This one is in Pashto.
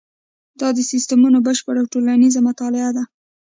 دا د سیسټمونو بشپړه او ټولیزه مطالعه ده.